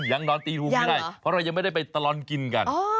ยังนอนตีฮูงไม่ได้เพราะเรายังไม่ได้ไปตลอดกินกัน